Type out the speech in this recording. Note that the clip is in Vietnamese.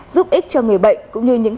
giúp ích cho người bệnh cũng như những